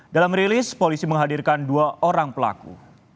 dalam rilis polisi menghadirkan dua orang pelaku